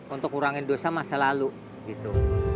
untuk ngurangin dosa masa lalu gitu